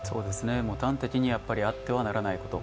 端的にあってはならないこと。